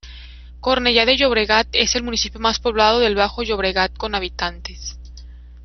Cornellá de Llobregat es el municipio más poblado del Bajo Llobregat con habitantes.